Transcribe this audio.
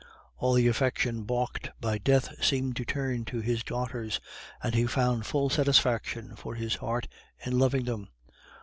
All the affection balked by death seemed to turn to his daughters, and he found full satisfaction for his heart in loving them.